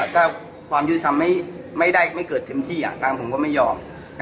ถ้าความยุติธรรมไม่ได้ไม่เกิดเต็มที่ทางผมก็ไม่ยอม